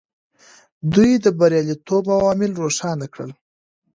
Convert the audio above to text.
دوی د بریالیتوب عوامل روښانه کړل.